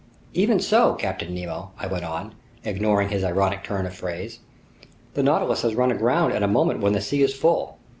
"Even so, Captain Nemo," I went on, ignoring his ironic turn of phrase, "the Nautilus has run aground at a moment when the sea is full.